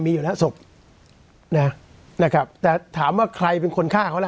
มีอยู่แล้วศพนะนะครับแต่ถามว่าใครเป็นคนฆ่าเขาล่ะ